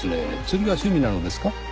釣りが趣味なのですか？